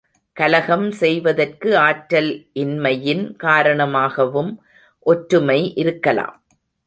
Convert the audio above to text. கலகம் செய்வதற்கு ஆற்றல் இன்மையின் காரணமாகவும் ஒற்றுமை இருக்கலாம்.